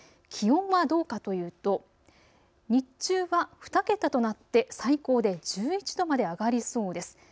気温はどうかというと日中は２桁となっていて最高で１１度まで上がりそうです。